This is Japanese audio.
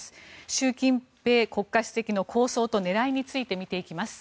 習近平国家主席の構想と狙いについて見ていきます。